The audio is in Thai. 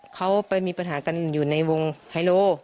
เขาไปมีปัญหากันอยู่ในวงไฮโล